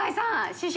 師匠！